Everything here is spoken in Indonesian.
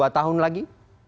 dua tahun lagi